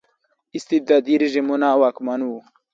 استبدادي رژیمونه واکمن وو.